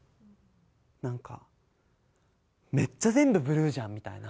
なんか、めっちゃ全部ブルーじゃんみたいな。